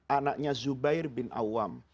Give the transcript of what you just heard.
anaknya zubair bin awam